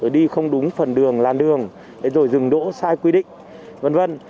đi không đúng phần đường làn đường rồi dừng đỗ sai quy định v v